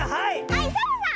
はいサボさん！